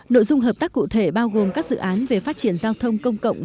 nội dung hợp tác cụ thể bao gồm các dự án về phát triển giao thông công cộng